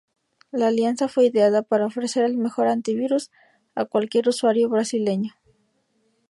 La alianza fue ideada para ofrecer el mejor antivirus a cualquier usuario brasileño.